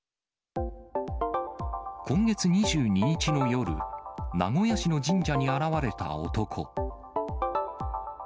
今月２２日の夜、名古屋市の神社に現われた男。